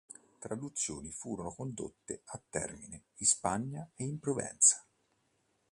Traduzioni furono condotte a termine in Spagna e in Provenza.